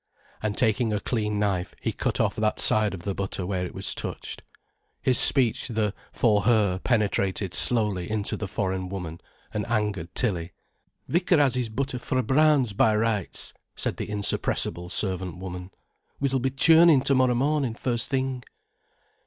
And taking a clean knife, he cut off that side of the butter where it was touched. His speech, the "for her", penetrated slowly into the foreign woman and angered Tilly. "Vicar has his butter fra Brown's by rights," said the insuppressible servant woman. "We s'll be churnin' to morrow mornin' first thing."